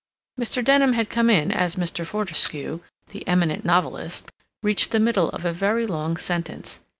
Mr. Denham had come in as Mr. Fortescue, the eminent novelist, reached the middle of a very long sentence.